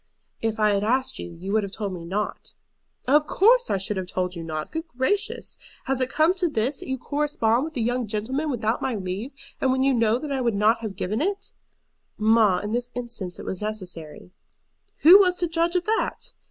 "If I had asked you, you would have told me not." "Of course I should have told you not. Good gracious! has it come to this, that you correspond with a young gentleman without my leave, and when you know that I would not have given it?" "Mamma, in this instance it was necessary." "Who was to judge of that?"